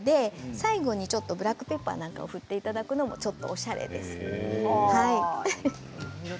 最後にブラックペッパーなどを振っていただくのもちょっとおしゃれですね。